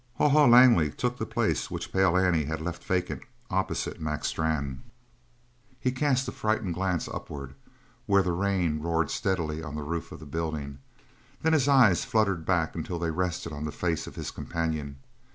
Haw Haw Langley took the place which Pale Annie had left vacant opposite Mac Strann. He cast a frightened glance upward, where the rain roared steadily on the roof of the building; then his eyes fluttered back until they rested on the face of his companion.